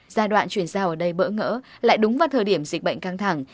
giai đoạn chuyển giao ở đây bỡ ngỡ lại đúng vào thời điểm dịch bệnh căng thẳng